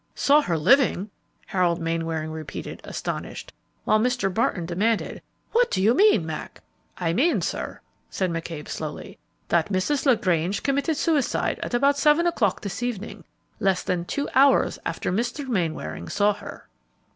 "Saw her living!" Harold Mainwaring repeated, astonished, while Mr. Barton demanded, "What do you mean, Mac?" "I mean, sir," said McCabe, slowly, "that Mrs. LaGrange committed suicide at about seven o'clock this evening, less than two hours after Mr. Mainwaring saw her."